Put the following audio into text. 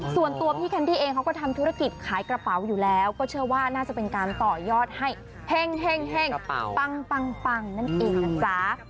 ส่วนตัวพี่แคนดี้เองเขาก็ทำธุรกิจขายกระเป๋าอยู่แล้วก็เชื่อว่าน่าจะเป็นการต่อยอดให้เฮ่งปังนั่นเองนะจ๊ะ